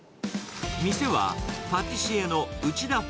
店はパティシエの内田穂